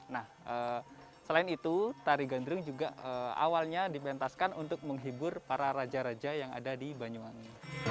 nah selain itu tari gandrung juga awalnya dipentaskan untuk menghibur para raja raja yang ada di banyuwangi